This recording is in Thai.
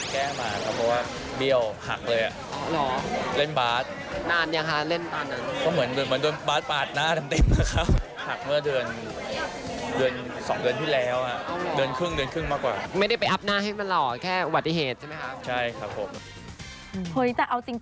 แก้มาเพราะว่าเปี่ยวหักเลยอะ